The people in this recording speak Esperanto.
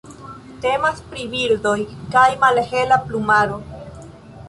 Temas pri birdoj de malhela plumaro.